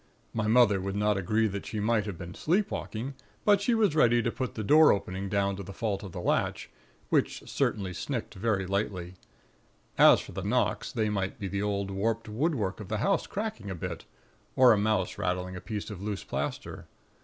My mother would not agree that she might have been sleepwalking; but she was ready to put the door opening down to the fault of the latch, which certainly snicked very lightly. As for the knocks, they might be the old warped woodwork of the house cracking a bit, or a mouse rattling a piece of loose plaster.